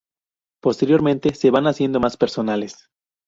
Posteriormente se van haciendo más personales.